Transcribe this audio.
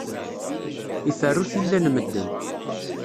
Iferru tilla n medden.